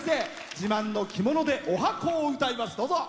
自慢の着物でおはこを歌います。